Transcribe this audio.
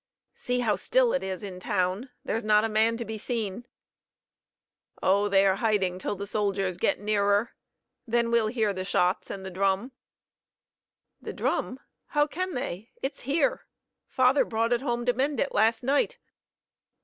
"See how still it is in town. There's not a man to be seen." "Oh, they are hiding till the soldiers get nearer. Then we'll hear the shots and the drum." "The drum! How can they? It's here. Father brought it home to mend it last night."